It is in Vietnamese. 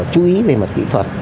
chú ý về mặt kỹ thuật